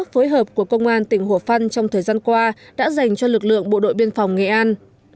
phối hợp của công an tỉnh hồ phân trong thời gian qua đã dành cho lực lượng bộ đội biên phòng nghệ an